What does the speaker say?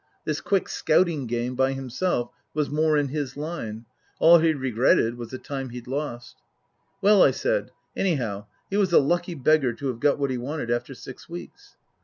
This quick scouting game by himself was more in his line. All he regretted was the time he'd lost. Well, I said, anyhow he was a lucky beggar to have got what he wanted after six weeks.